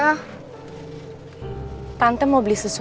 aku akan mencari cherry